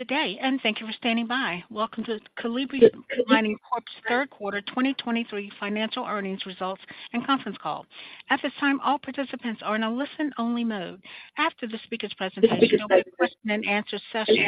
Good day, and thank you for standing by. Welcome to the Calibre Mining Corp's third quarter 2023 financial earnings results and conference call. At this time, all participants are in a listen-only mode. After the speaker's presentation, there will be a question and answer session.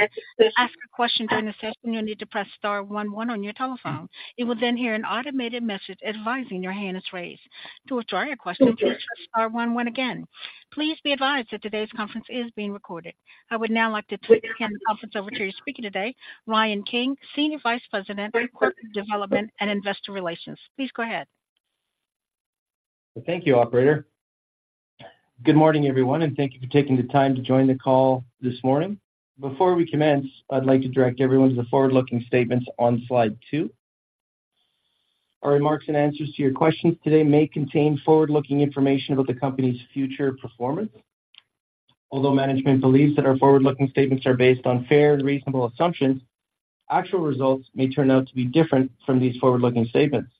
To ask a question during the session, you'll need to press star one one on your telephone. You will then hear an automated message advising your hand is raised. To withdraw your question, press star one one again. Please be advised that today's conference is being recorded. I would now like to turn the conference over to your speaker today, Ryan King, Senior Vice President, Corporate Development and Investor Relations. Please go ahead. Thank you, operator. Good morning, everyone, and thank you for taking the time to join the call this morning. Before we commence, I'd like to direct everyone to the forward-looking statements on slide two. Our remarks and answers to your questions today may contain forward-looking information about the company's future performance. Although management believes that our forward-looking statements are based on fair and reasonable assumptions, actual results may turn out to be different from these forward-looking statements.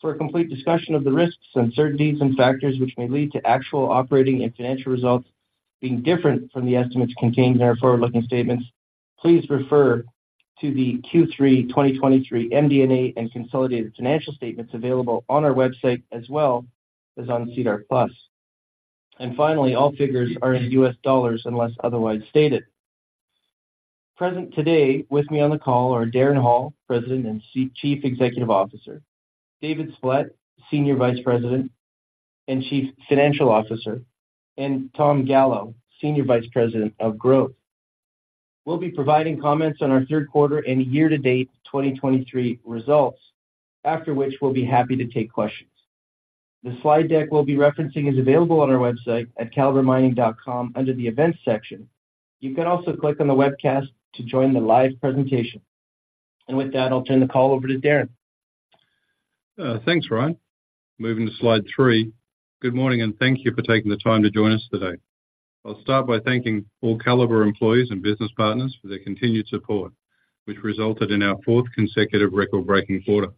For a complete discussion of the risks, uncertainties, and factors which may lead to actual operating and financial results being different from the estimates contained in our forward-looking statements, please refer to the Q3 2023 MD&A and consolidated financial statements available on our website as well as on SEDAR+. And finally, all figures are in U.S. dollars unless otherwise stated. Present today with me on the call are Darren Hall, President and Chief Executive Officer, David Splett, Senior Vice President and Chief Financial Officer, and Tom Gallo, Senior Vice President of Growth. We'll be providing comments on our third quarter and year-to-date 2023 results, after which we'll be happy to take questions. The slide deck we'll be referencing is available on our website at calibremining.com under the Events section. You can also click on the webcast to join the live presentation. With that, I'll turn the call over to Darren. Thanks, Ryan. Moving to slide three. Good morning, and thank you for taking the time to join us today. I'll start by thanking all Calibre employees and business partners for their continued support, which resulted in our fourth consecutive record-breaking quarter.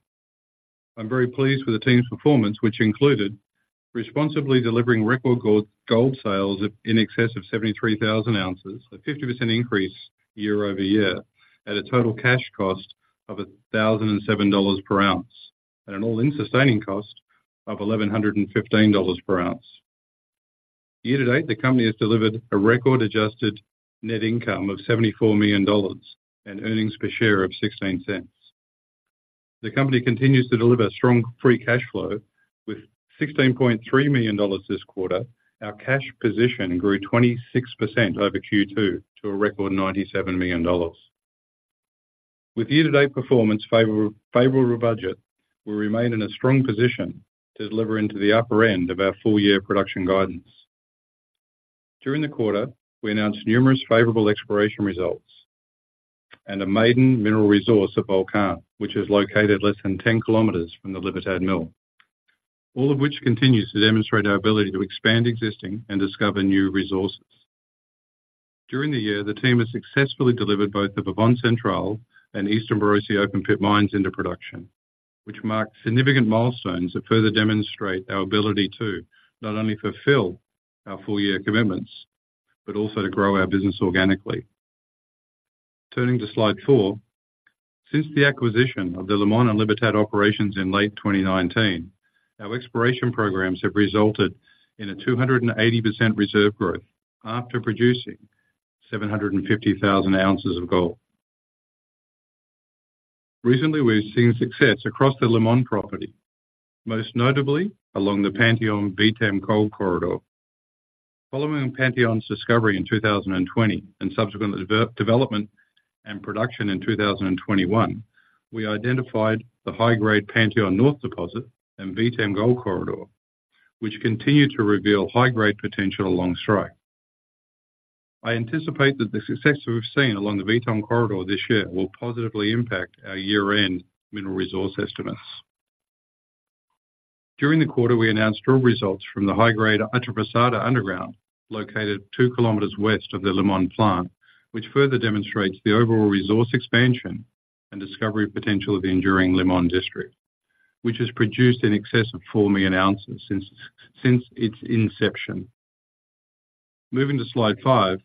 I'm very pleased with the team's performance, which included responsibly delivering record gold, gold sales in excess of 73,000 ounces, a 50% increase year-over-year, at a total cash cost of $1,007 per ounce and an all-in sustaining cost of $1,115 per ounce. Year to date, the company has delivered a record adjusted net income of $74 million and earnings per share of $0.16. The company continues to deliver strong free cash flow. With $16.3 million this quarter, our cash position grew 26% over Q2 to a record $97 million. With year-to-date performance favorable, favorable budget, we remain in a strong position to deliver into the upper end of our full-year production guidance. During the quarter, we announced numerous favorable exploration results and a maiden mineral resource of Volcán, which is located less than 10km from the Libertad Mill, all of which continues to demonstrate our ability to expand existing and discover new resources. During the year, the team has successfully delivered both the Pavón Central and Eastern Borosi open-pit mines into production, which marked significant milestones that further demonstrate our ability to not only fulfill our full-year commitments but also to grow our business organically. Turning to slide four. Since the acquisition of the Limón and Libertad operations in late 2019, our exploration programs have resulted in a 280% reserve growth after producing 750,000 ounces of gold. Recently, we've seen success across the Limon property, most notably along the Panteon-VTEM Gold Corridor. Following Panteon's discovery in 2020 and subsequent development and production in 2021, we identified the high-grade Panteon Norte deposit and VTEM Gold Corridor, which continued to reveal high-grade potential along strike. I anticipate that the success we've seen along the VTEM Corridor this year will positively impact our year-end mineral resource estimates. During the quarter, we announced drill results from the high-grade Atravesada underground, located 2km west of the Limon plant, which further demonstrates the overall resource expansion and discovery potential of the enduring Limon district, which has produced in excess of 4 million ounces since its inception. Moving to slide five.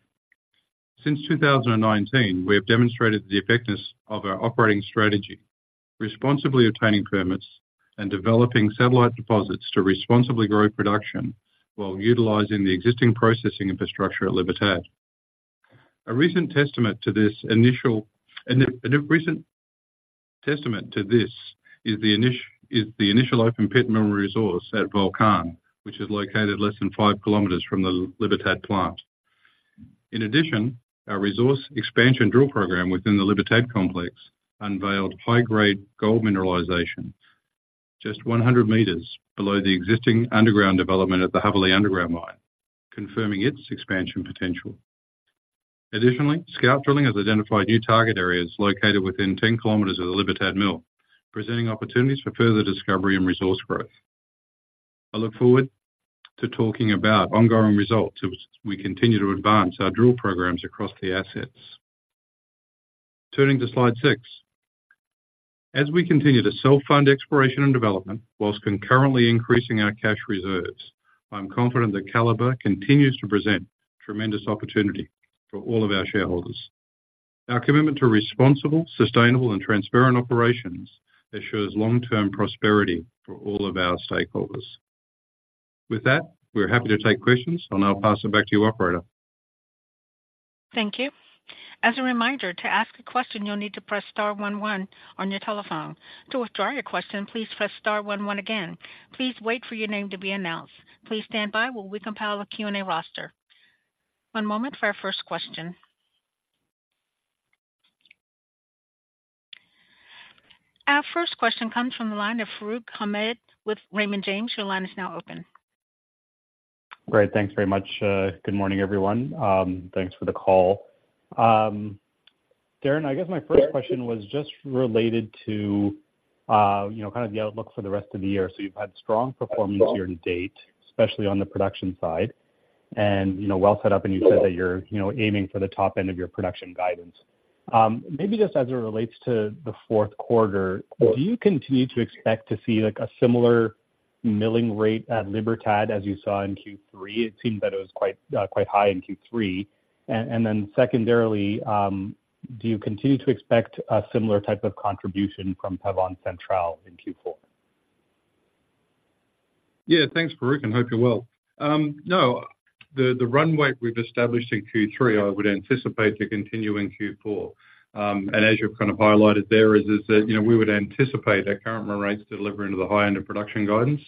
Since 2019, we have demonstrated the effectiveness of our operating strategy, responsibly obtaining permits and developing satellite deposits to responsibly grow production while utilizing the existing processing infrastructure at Libertad. A recent testament to this is the initial open-pit mineral resource at Volcán, which is located less than 5km from the Libertad plant. In addition, our resource expansion drill program within the Libertad complex unveiled high-grade gold mineralization, just 100 meters below the existing underground development at the Jabali underground mine, confirming its expansion potential. Additionally, scout drilling has identified new target areas located within 10km of the Libertad mill, presenting opportunities for further discovery and resource growth. I look forward to talking about ongoing results as we continue to advance our drill programs across the assets. Turning to slide 6. As we continue to self-fund exploration and development, whilst concurrently increasing our cash reserves, I'm confident that Calibre continues to present tremendous opportunity for all of our shareholders. Our commitment to responsible, sustainable, and transparent operations assures long-term prosperity for all of our stakeholders. With that, we're happy to take questions. I'll now pass it back to you, operator. Thank you. As a reminder, to ask a question, you'll need to press star one one on your telephone. To withdraw your question, please press star one one again. Please wait for your name to be announced. Please stand by while we compile a Q&A roster. One moment for our first question. Our first question comes from the line of Farooq Hamed with Raymond James. Your line is now open. Great. Thanks very much. Good morning, everyone. Thanks for the call. Darren, I guess my first question was just related to, you know, kind of the outlook for the rest of the year. So you've had strong performance year-to-date, especially on the production side, and, you know, well set up, and you said that you're, you know, aiming for the top end of your production guidance. Maybe just as it relates to the fourth quarter, do you continue to expect to see, like, a similar milling rate at Libertad as you saw in Q3? It seemed that it was quite, quite high in Q3. And then secondarily, do you continue to expect a similar type of contribution from Pavón Central in Q4? Yeah. Thanks, Farooq, and hope you're well. No, the runway we've established in Q3, I would anticipate to continue in Q4. And as you've kind of highlighted there, is that, you know, we would anticipate our current rates delivering to the high end of production guidance.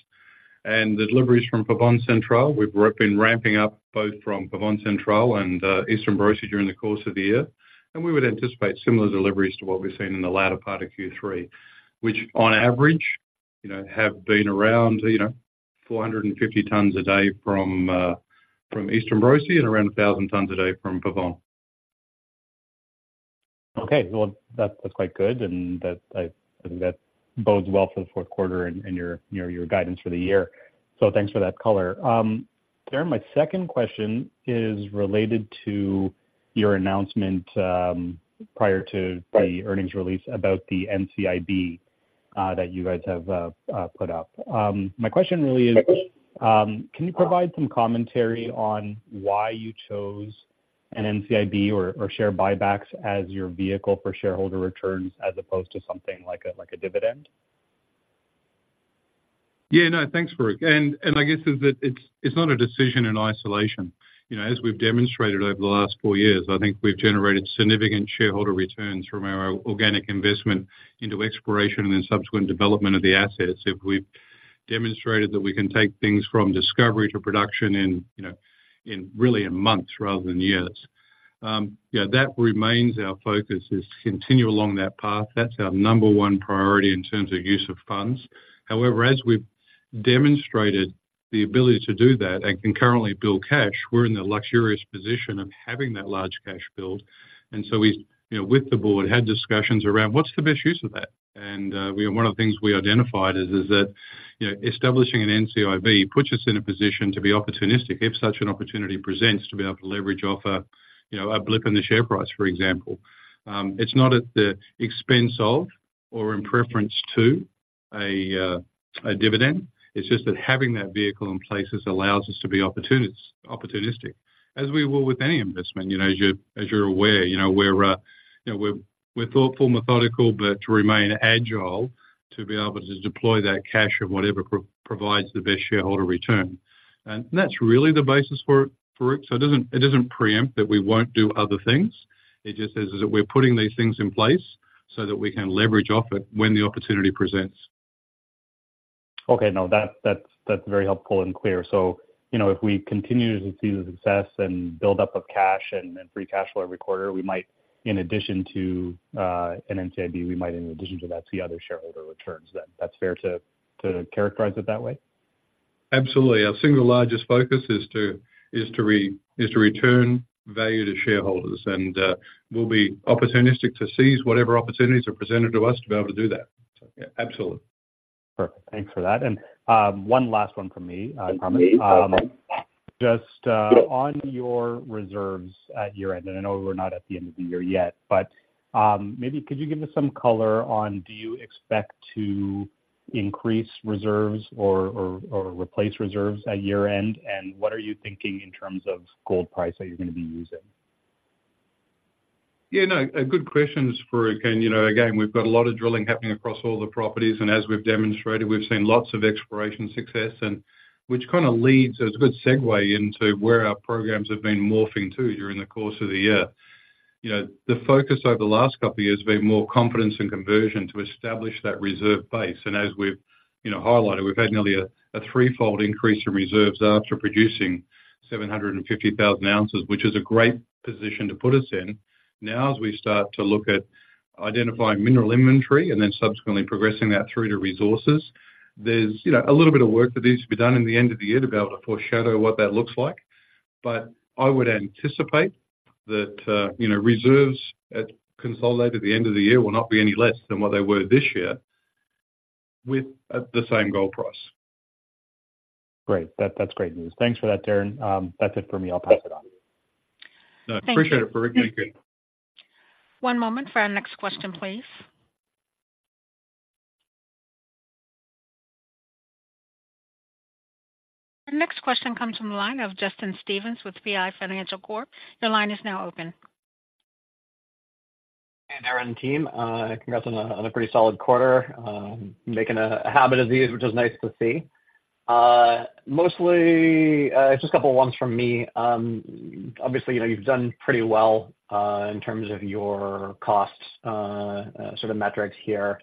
And the deliveries from Pavón Central, we've worked in ramping up both from Pavón Central and Eastern Borosi during the course of the year, and we would anticipate similar deliveries to what we've seen in the latter part of Q3, which, on average, you know, have been around, you know, 450 tons a day from Eastern Borosi and around 1,000 tons a day from Pavón. Okay. Well, that's quite good, and that I think that bodes well for the fourth quarter and your guidance for the year. So thanks for that color. Darren, my second question is related to your announcement prior to the earnings release about the NCIB that you guys have put up. My question really is, can you provide some commentary on why you chose an NCIB or share buybacks as your vehicle for shareholder returns, as opposed to something like a dividend? Yeah, no, thanks, Farooq. And I guess that it's not a decision in isolation. You know, as we've demonstrated over the last four years, I think we've generated significant shareholder returns from our organic investment into exploration and then subsequent development of the assets. We've demonstrated that we can take things from discovery to production in, you know, really in months rather than years. Yeah, that remains our focus, is to continue along that path. That's our number one priority in terms of use of funds. However, as we've demonstrated the ability to do that and can currently build cash, we're in the luxurious position of having that large cash build. And so we've, you know, with the board, had discussions around what's the best use of that? One of the things we identified is that, you know, establishing an NCIB puts us in a position to be opportunistic if such an opportunity presents, to be able to leverage off a, you know, a blip in the share price, for example. It's not at the expense of or in preference to a dividend. It's just that having that vehicle in place allows us to be opportunistic, as we will with any investment. You know, as you're aware, you know, we're, you know, we're thoughtful, methodical, but remain agile to be able to deploy that cash in whatever provides the best shareholder return. And that's really the basis for it, Farooq. So it doesn't preempt that we won't do other things. It just is that we're putting these things in place so that we can leverage off it when the opportunity presents. Okay. No, that's very helpful and clear. So, you know, if we continue to see the success and build-up of cash and free cash flow every quarter, we might, in addition to an NCIB, we might, in addition to that, see other shareholder returns. That's fair to characterize it that way? Absolutely. Our single largest focus is to return value to shareholders, and we'll be opportunistic to seize whatever opportunities are presented to us to be able to do that. So, yeah, absolutely. Perfect. Thanks for that. And, one last one from me, Hamed. Just, on your reserves at year-end, and I know we're not at the end of the year yet, but, maybe could you give us some color on do you expect to increase reserves or replace reserves at year-end? And what are you thinking in terms of gold price that you're gonna be using? Yeah, no, a good question, Farooq, and you know, again, we've got a lot of drilling happening across all the properties, and as we've demonstrated, we've seen lots of exploration success, and which kind of leads as a good segue into where our programs have been morphing to, during the course of the year. You know, the focus over the last couple of years has been more confidence and conversion to establish that reserve base. As we've, you know, highlighted, we've had nearly a threefold increase in reserves after producing 750,000 ounces, which is a great position to put us in. Now, as we start to look at identifying mineral inventory and then subsequently progressing that through to resources, there's, you know, a little bit of work that needs to be done in the end of the year to be able to foreshadow what that looks like. But I would anticipate that, you know, reserves at consolidated at the end of the year will not be any less than what they were this year, with, the same gold price.... Great. That, that's great news. Thanks for that, Darren. That's it for me. I'll pass it on. Thank you. Appreciate it, Eric. Thank you. One moment for our next question, please. The next question comes from the line of Justin Stevens with PI Financial Corp. Your line is now open. Hey, Darren and team, congrats on a pretty solid quarter, making a habit of these, which is nice to see. Mostly, just a couple of ones from me. Obviously, you know, you've done pretty well in terms of your costs, sort of metrics here.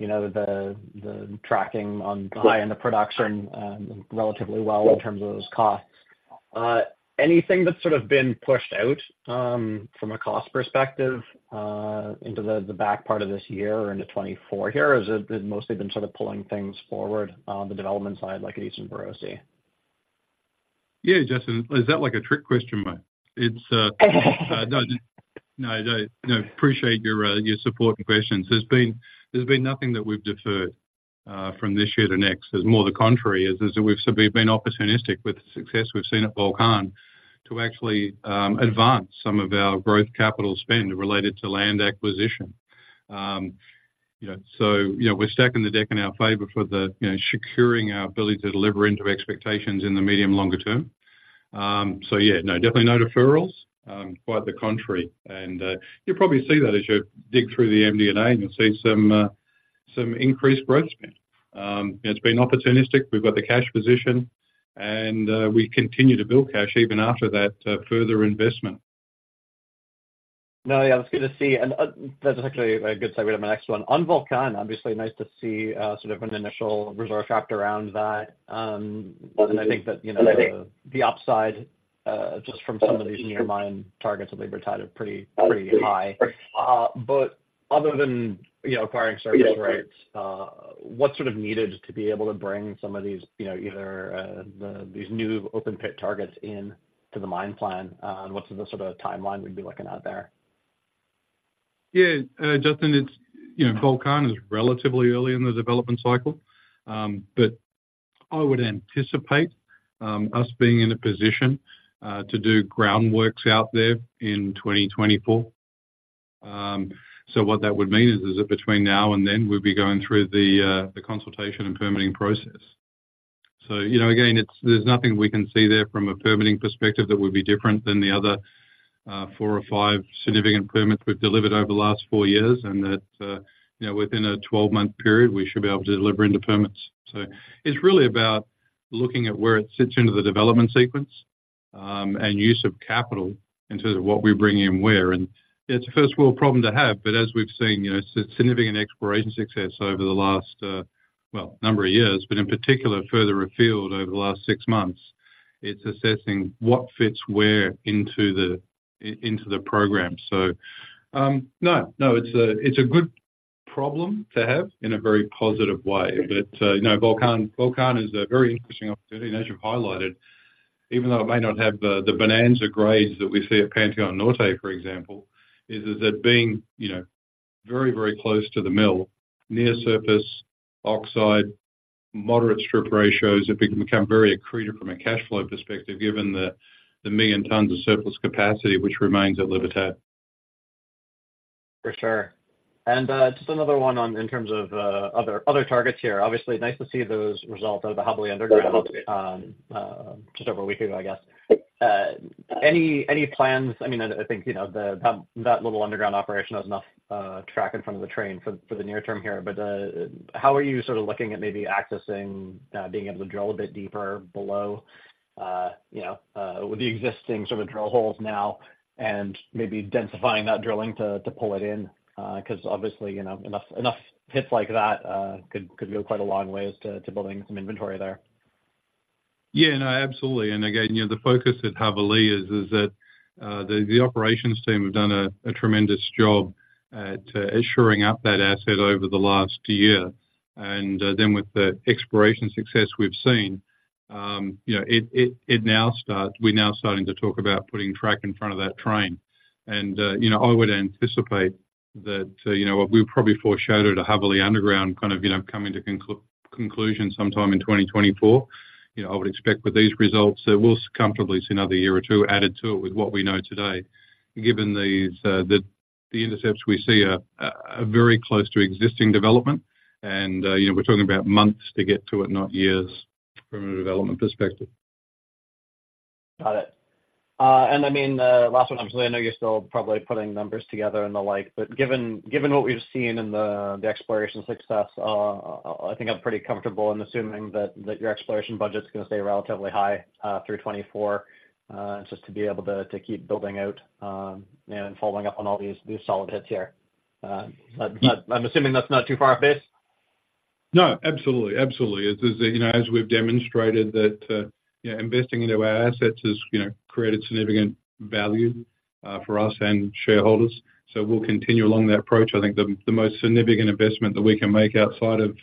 You know, the tracking on the high end of production, relatively well in terms of those costs. Anything that's sort of been pushed out, from a cost perspective, into the back part of this year or into 2024 here? Or is it mostly been sort of pulling things forward on the development side, like at Eastern Borosi? Yeah, Justin. Is that like a trick question, mate? It's no, no, no, appreciate your support and questions. There's been nothing that we've deferred from this year to next. It's more the contrary, we've been opportunistic with the success we've seen at Volcán to actually advance some of our growth capital spend related to land acquisition. You know, so, you know, we're stacking the deck in our favor for the, you know, securing our ability to deliver into expectations in the medium, longer term. So, yeah, no, definitely no deferrals, quite the contrary. And you'll probably see that as you dig through the MD&A, and you'll see some increased growth spend. It's been opportunistic. We've got the cash position, and we continue to build cash even after that further investment. No, yeah, that's good to see, and, that's actually a good segue to my next one. On Volcán, obviously, nice to see, sort of an initial reserve chapter around that. And I think that, you know, the upside, just from some of these near mine targets of Libertad are pretty, pretty high. But other than, you know, acquiring surface rights, what's sort of needed to be able to bring some of these, you know, either, the, these new open pit targets in to the mine plan? And what's the sort of timeline we'd be looking at there? Yeah. Justin, it's, you know, Volcán is relatively early in the development cycle. But I would anticipate us being in a position to do groundworks out there in 2024. So what that would mean is that between now and then, we'll be going through the consultation and permitting process. So, you know, again, it's, there's nothing we can see there from a permitting perspective that would be different than the other four or five significant permits we've delivered over the last four years. And that, you know, within a 12-month period, we should be able to deliver two permits. So it's really about looking at where it fits into the development sequence, and use of capital in terms of what we bring in where, and it's a first world problem to have. But as we've seen, you know, significant exploration success over the last, well, number of years, but in particular, further afield over the last six months, it's assessing what fits where into the program. So, no, no, it's a good problem to have in a very positive way. But, you know, Volcán is a very interesting opportunity, and as you've highlighted, even though it may not have the bonanza grades that we see at Panteon Norte, for example, it's very close to the mill, near surface, oxide, moderate strip ratios, it becomes very accretive from a cash flow perspective, given the 1 million tons of surplus capacity, which remains at Libertad. For sure. And just another one on, in terms of, other targets here. Obviously, nice to see those results out of the Jabali underground, just over a week ago, I guess. Any plans- I mean, I think, you know, that little underground operation has enough track in front of the train for the near term here. But how are you sort of looking at maybe accessing, being able to drill a bit deeper below, you know, with the existing sort of drill holes now and maybe densifying that drilling to pull it in? Because obviously, you know, enough hits like that could go quite a long ways to building some inventory there. Yeah, no, absolutely. And again, you know, the focus at Libertad is that the operations team have done a tremendous job at shoring up that asset over the last year. And then with the exploration success we've seen, you know, it now starts-- we're now starting to talk about putting track in front of that train. And you know, I would anticipate that you know, we probably foreshadowed a Libertad underground kind of you know, coming to conclusion sometime in 2024. You know, I would expect with these results, so we'll comfortably see another year or two added to it with what we know today. Given these, the intercepts we see are very close to existing development and, you know, we're talking about months to get to it, not years, from a development perspective. Got it. And I mean, last one, obviously, I know you're still probably putting numbers together and the like, but given what we've seen in the exploration success, I think I'm pretty comfortable in assuming that your exploration budget is gonna stay relatively high, through 2024. Just to be able to keep building out, and following up on all these solid hits here. But I'm assuming that's not too far off base? No, absolutely. Absolutely. It is, you know, as we've demonstrated that, you know, investing into our assets has, you know, created significant value, for us and shareholders, so we'll continue along that approach. I think the most significant investment that we can make outside of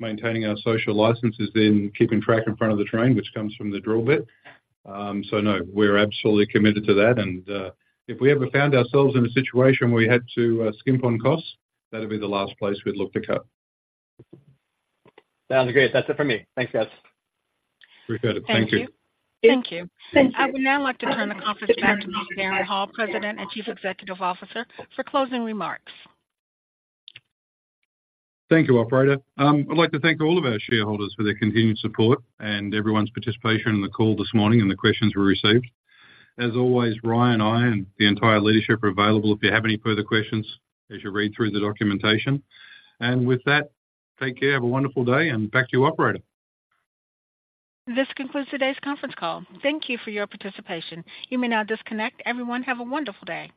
maintaining our social license is in keeping track in front of the train, which comes from the drill bit. So no, we're absolutely committed to that. And, if we ever found ourselves in a situation where we had to, skimp on costs, that would be the last place we'd look to cut. Sounds great. That's it for me. Thanks, guys. Appreciate it. Thank you. Thank you. Thank you. I would now like to turn the conference back to Darren Hall, President and Chief Executive Officer, for closing remarks. Thank you, operator. I'd like to thank all of our shareholders for their continued support and everyone's participation in the call this morning and the questions we received. As always, Ryan and I, and the entire leadership are available if you have any further questions as you read through the documentation. With that, take care. Have a wonderful day, and back to you, operator. This concludes today's conference call. Thank you for your participation. You may now disconnect. Everyone, have a wonderful day.